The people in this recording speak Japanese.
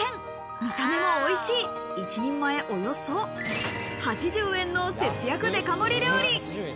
見た目もおいしい、一人前およそ８０円の節約デカ盛り料理。